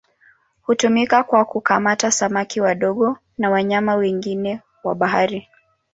Hutumika kwa kukamata samaki wadogo na wanyama wengine wa bahari.